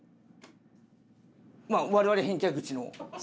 まあ我々返却口の。